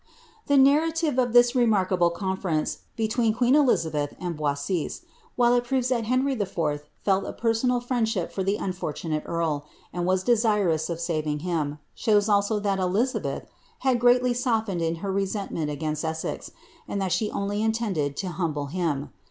" The narrative of this remarkable conference between qneen Elrnbrtb snil Boisaiae,' while il proves thai Henry tV. felt a personal fiicndsliip for the unfortanate earl, and was desirous of Mring htm, shows bI»<> ihaT Elizabeth had greatly soAened in her resentment agninst Essex, and dial she only intended lo humble him.